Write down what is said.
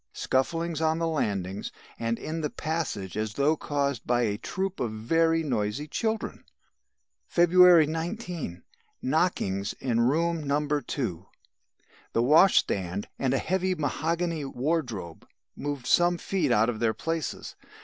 Scufflings on the landings, and in the passage as though caused by a troop of very noisy children. "February 19. Knockings in room No. 2. The washstand and a heavy mahogany wardrobe moved some feet out of their places.